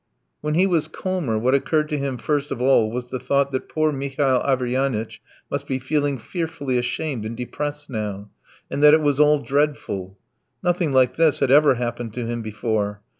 When he was calmer, what occurred to him first of all was the thought that poor Mihail Averyanitch must be feeling fearfully ashamed and depressed now, and that it was all dreadful. Nothing like this had ever happened to him before.